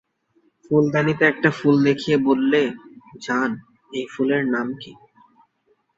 ফুলদানিতে একটা ফুল দেখিয়ে বললে, জান এ ফুলের নাম?